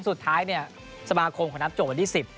สุดท้ายเนี่ยสมาคมเขานัดจบวันที่๑๐